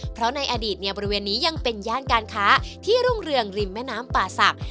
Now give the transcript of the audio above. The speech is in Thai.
เพราะในอดีตเนี่ยบริเวณนี้ยังเป็นย่านการค้าที่รุ่งเรืองริมแม่น้ำป่าศักดิ